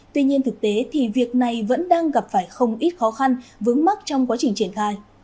tuy nhiên thực tế thì việc này vẫn đang gặp phải không ít khó khăn vướng mắc trong quá trình triển khai